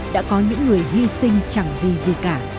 đã có những người hy sinh chẳng vì gì cả